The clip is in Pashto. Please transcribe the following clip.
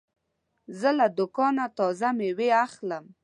زه له دوکانه تازه مېوې اخلم.